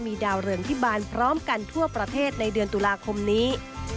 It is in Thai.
ดาวเรืองพิบาลพร้อมกันทั่วประเทศในเดือนตุลาคมนี้